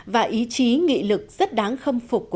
và ý chí nghị lực rất đáng khâm phục